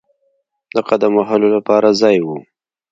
د قدم وهلو لپاره ځای وو.